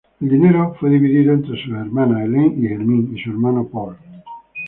El dinero fue dividido entre sus hermanas Helene y Hermine y su hermano Paul.